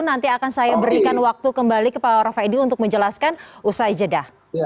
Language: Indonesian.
nanti akan saya berikan waktu kembali kepada prof edi untuk menjelaskan usai jeda